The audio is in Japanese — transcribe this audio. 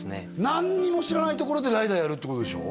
何にも知らないところでライダーやるってことでしょ？